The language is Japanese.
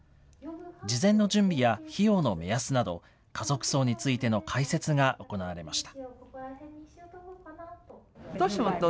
事前の準備や費用の目安など、家族葬についての解説が行われました。